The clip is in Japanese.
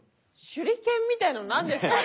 手裏剣みたいなの何ですか？